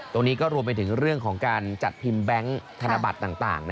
ตรงนี้ก็รวมไปถึงเรื่องของการจัดพิมพ์แบงค์ธนบัตรต่าง